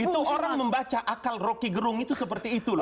itu orang membaca akal rocky gerung itu seperti itu loh